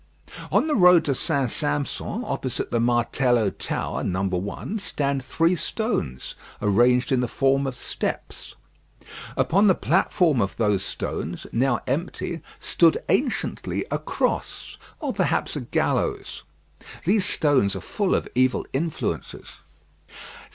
On the road to St. Sampson, opposite the Martello tower, number 1, stand three stones, arranged in the form of steps. Upon the platform of those stones, now empty, stood anciently a cross, or perhaps a gallows. These stones are full of evil influences.